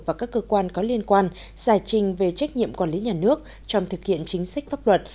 và các cơ quan có liên quan giải trình về trách nhiệm quản lý nhà nước trong thực hiện chính sách pháp luật